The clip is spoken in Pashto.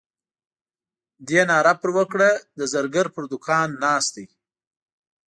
دې ناره پر وکړه د زرګر پر دوکان ناست دی.